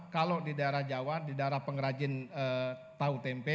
kalau di daerah jawa di daerah pengrajin tahu tempe